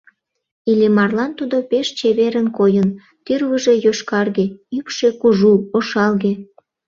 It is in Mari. Иллимарлан тудо пеш чеверын койын: тӱрвыжӧ йошкарге, ӱпшӧ кужу, ошалге.